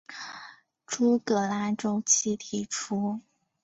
朱格拉周期提出。